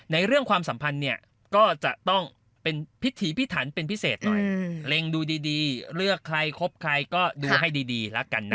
เรื่องความสัมพันธ์เนี่ยก็จะต้องเป็นพิถีพิถันเป็นพิเศษหน่อยเล็งดูดีเลือกใครคบใครก็ดูให้ดีแล้วกันนะ